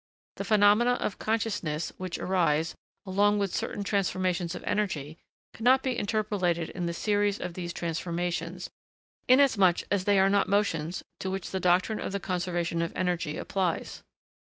The phenomena of consciousness which arise, along with certain transformations of energy, cannot be interpolated in the series of these transformations, inasmuch as they are not motions to which the doctrine of the conservation of energy applies.